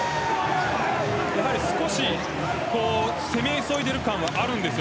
少し攻め急いでいる感はあるんです。